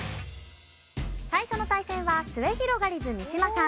最初の対戦はすゑひろがりず三島さん